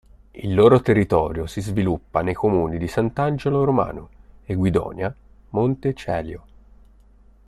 Il loro territorio si sviluppa nei comuni di Sant'Angelo Romano, e Guidonia Montecelio.